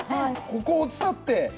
ここを伝ってほら！